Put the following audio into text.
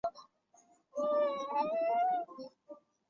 密毛山梅花为虎耳草科山梅花属下的一个变种。